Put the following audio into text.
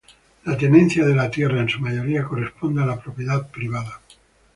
La tenencia de la tierra en su mayoría corresponde a la propiedad privada.